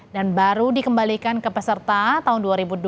dan baru dikembalikan ke peserta tahun dua ribu dua puluh tiga